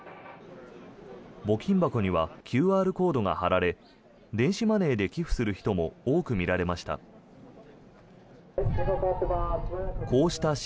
募金箱にはＱＲコードが貼られ電子マネーで寄付する人も多く見られました。